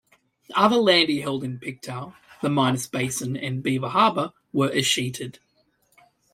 Other land he held in Pictou, the Minas Basin, and Beaver Harbour were escheated.